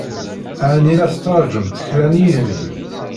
Ɛni la tettṛajumt kra n yinebgi?